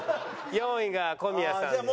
４位が小宮さんでした。